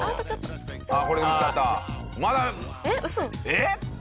えっ？